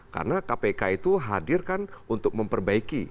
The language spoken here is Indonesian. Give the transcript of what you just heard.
karena kpk itu hadir kan untuk memperbaiki